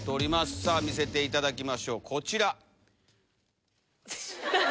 さぁ見せていただきましょうこちら。